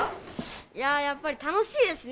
いやー、やっぱり楽しいですね。